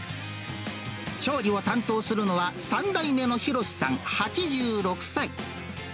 調理を担当するのは、３代目の博さん８６歳。